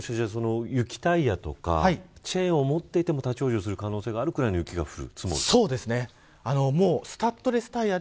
雪タイヤとかチェーンを持っていても立ち往生する可能性があるくらいの雪が積もる。